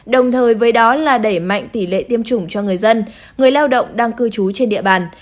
đồng thời với đó là đẩy mạnh tỷ lệ tiêm chủng cho người dân người lao động đang cư trú trên địa bàn